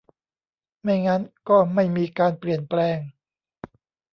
ไม่งั้นก็ไม่มีการเปลี่ยนแปลง